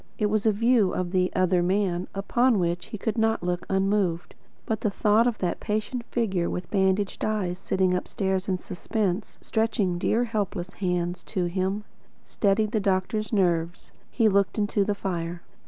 It was a view of "the other man" upon which he could not look unmoved. But the thought of that patient figure with bandaged eyes sitting upstairs in suspense, stretching dear helpless hands to him, steadied the doctor's nerve. He looked into the fire.